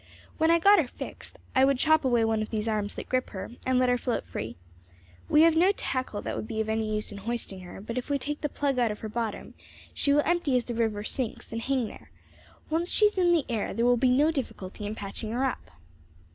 When I got her fixed, I would chop away one of these arms that grip her, and let her float free. We have no tackle that would be of any use in hoisting her, but if we take the plug out of her bottom, she will empty as the river sinks, and hang there. Once she is in the air there will be no difficulty in patching her up."